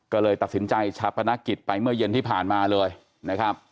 ก็เลยตัดสินใจชาปนกิจไปเมื่อเย็นที่ผ่านมาเลยนะครับ